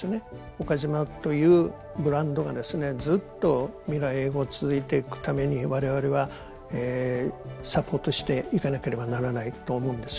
岡島というブランドがですねずっと未来永ごう続いていくために我々はサポートしていかなければならないと思うんですよ。